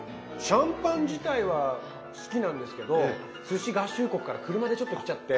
シャンパン自体は好きなんですけどすし合衆国から車でちょっと来ちゃって。